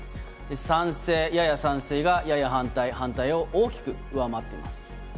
賛成、やや賛成がやや反対、反対を大きく上回っています。